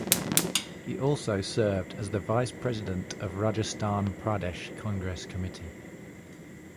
He also served as the Vice President of Rajasthan Pradesh Congress Committee.